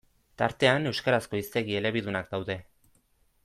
Tartean, euskarazko hiztegi elebidunak daude.